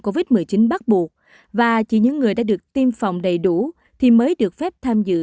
covid một mươi chín bắt buộc và chỉ những người đã được tiêm phòng đầy đủ thì mới được phép tham dự